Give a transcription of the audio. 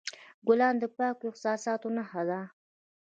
ګلان د پاکو احساساتو نښه ده.